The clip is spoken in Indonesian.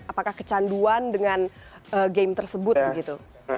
apakah kecanduan dengan game tersebut begitu